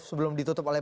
sebelum ditutup oleh